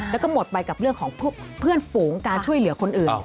แล้วก็หมดไปกับเรื่องของเพื่อนฝูงการช่วยเหลือคนอื่น